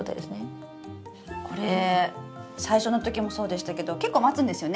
これ最初の時もそうでしたけど結構待つんですよね